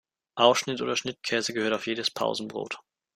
Aufschnitt oder Schnittkäse gehört auf jedes Pausenbrot.